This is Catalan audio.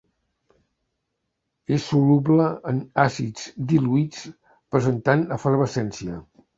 És soluble en àcids diluïts, presentant efervescència.